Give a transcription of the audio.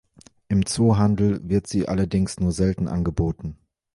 Im Zoofachhandel wird sie allerdings nur selten angeboten.